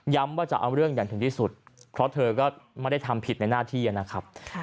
ว่าจะเอาเรื่องอย่างถึงที่สุดเพราะเธอก็ไม่ได้ทำผิดในหน้าที่นะครับ